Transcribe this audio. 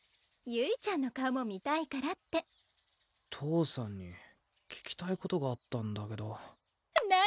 ゆいちゃんの顔も見たいからって父さんに聞きたいことがあったんだけど何？